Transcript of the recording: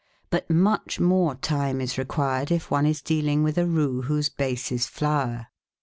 But much more time is required if one is deal ing with a roux whose base is flour.